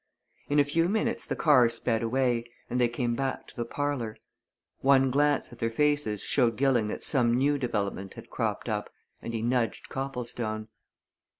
In a few minutes the car sped away, and they came back to the parlour. One glance at their faces showed Gilling that some new development had cropped up and he nudged Copplestone.